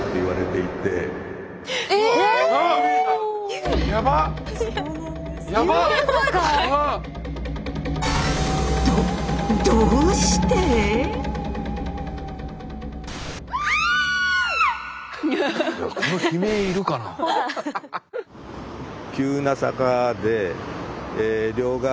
いやこの悲鳴いるかな？